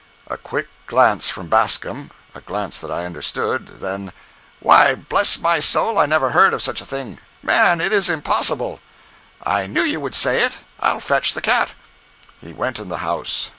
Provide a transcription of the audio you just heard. A quick glance from Bascom—a glance that I understood—then: "Why, bless my soul, I never heard of such a thing. Man, it is impossible." "I knew you would say it. I'll fetch the cat." He went in the house.